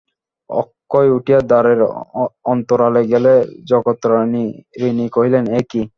অক্ষয় উঠিয়া দ্বারের অন্তরালে গেলে জগত্তারিণী কহিলেন, এ কী!